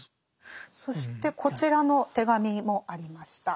そしてこちらの手紙もありました。